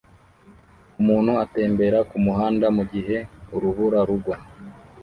Umuntu atembera kumuhanda mugihe urubura rugwa